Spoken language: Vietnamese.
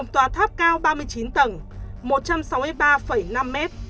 là tầng một trăm sáu mươi ba năm m